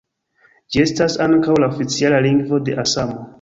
Ĝi estas ankaŭ la oficiala lingvo de Asamo.